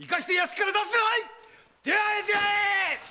出会え出会え！